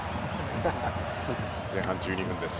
前半１２分です。